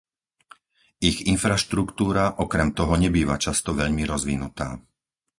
Ich infraštruktúra okrem toho nebýva často veľmi rozvinutá.